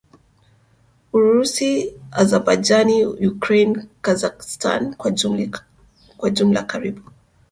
Urusi Azabajani Ukraine Kazakhstan Kwa jumla karibu